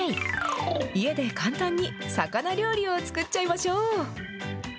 家で簡単に魚料理を作っちゃいましょう。